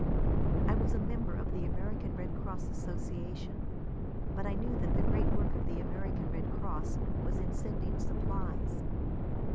I was a member of the American Red Cross Association, but I knew that the great work of the American Red Cross was in sending supplies.